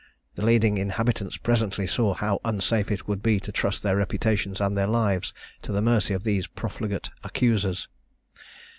The leading inhabitants presently saw how unsafe it would be to trust their reputations and their lives to the mercy of these profligate accusers.